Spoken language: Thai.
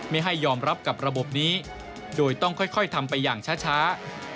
ไม่ให้ยอมรับกับระบบนี้โดยต้องค่อยทำไปอย่างช้า